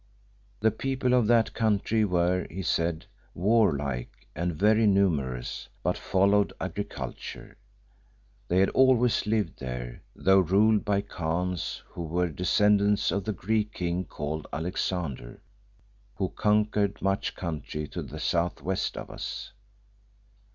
"The people of that country were, he said, warlike and very numerous but followed agriculture. They had always lived there, though ruled by Khans who were descendants of the Greek king called Alexander, who conquered much country to the south west of us.